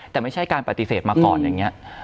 แต่ไม่ใช่การปฏิเสธมาก่อนอย่างนี้